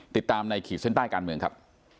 ติดตามในขีดเส้นใต้การเมืองครับ